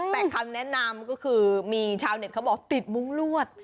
แต่คำแนะนำก็คือมีชาวเน็ตเขาบอกติดมุ้งลวด